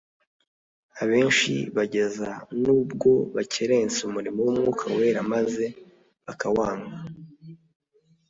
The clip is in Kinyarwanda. abenshi bageza nubwo bakerensa umurimo w'Umwuka Wera maze bakawanga.